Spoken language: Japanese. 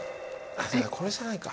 あこれじゃないか。